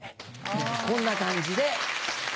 こんな感じで。